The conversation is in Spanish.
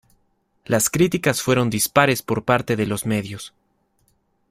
Las críticas fueron dispares por parte de los medios.